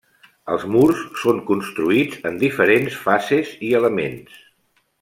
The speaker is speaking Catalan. Els murs són construïts en diferents fases i elements.